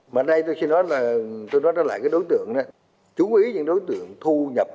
mà đây tôi xin nói là tôi nói đó lại cái đối tượng chú ý những đối tượng thu nhập